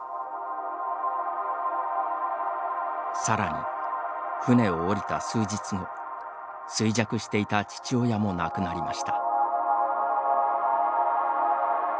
さらに、船を降りた数日後衰弱していた父親も亡くなりました。